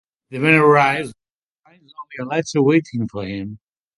The man arrives but finds only a letter waiting for him.